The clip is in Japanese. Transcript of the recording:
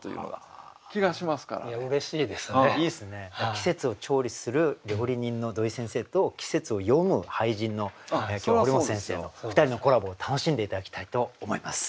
季節を調理する料理人の土井先生と季節を詠む俳人の堀本先生の２人のコラボを楽しんで頂きたいと思います。